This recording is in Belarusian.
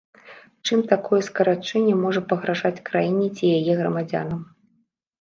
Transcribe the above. Чым такое скарачэнне можа пагражаць краіне ці яе грамадзянам?